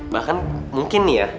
bahkan mungkin nih ya